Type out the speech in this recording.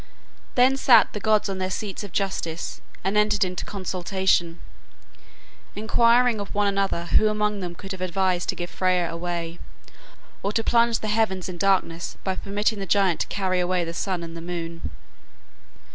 Then sat the gods on their seats of justice and entered into consultation, inquiring of one another who among them could have advised to give Freya away, or to plunge the heavens in darkness by permitting the giant to carry away the sun and the moon.